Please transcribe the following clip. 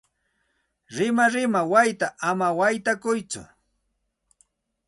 Rimarima wayta ama waytakuytsu.